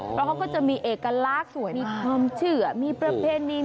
เพราะเขาก็จะมีเอกลักษณ์สวยมีความเชื่อมีประเพณี